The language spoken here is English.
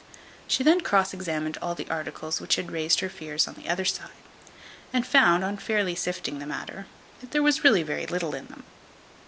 She then cross examined all the articles which had raised her fears on the other side, and found, on fairly sifting the matter, that there was very little in them.